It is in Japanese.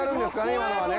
今のはね。